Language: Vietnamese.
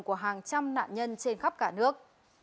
của hàng trăm nạn nhân trên khắp cả nước